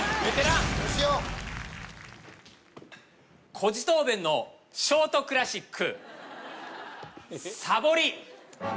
コジトーベンのショートクラシック「サボり」